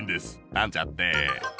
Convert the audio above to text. なんちゃって！